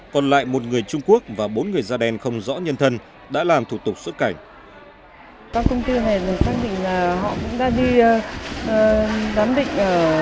còn lại một người trung quốc và bốn người da đen không rõ nhân thân đã làm thủ tục xuất cảnh